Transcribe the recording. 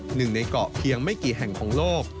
หนึ่งในเกาะเพียงไม่กี่แห่งของโลก